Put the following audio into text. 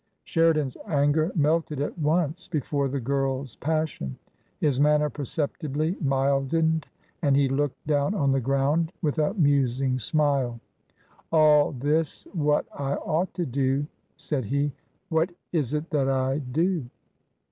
Sheridan's anger melted at once before the girl's pas sion. His manner perceptibly mildened, and he looked down on the ground with a musing smile. " All this what I ought to do," said he ;" what is it that I do